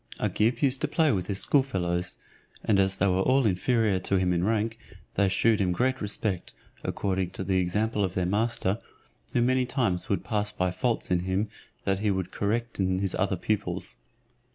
Agib used to play with his schoolfellows, and as they were all inferior to him in rank, they shewed him great respect, according to the example of their master, who many times would pass by faults in him that he would correct in his other pupils.